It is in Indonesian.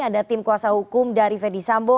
ada tim kuasa hukum dari fedy sambo